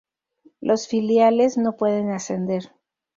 Los filiales no pueden ascender.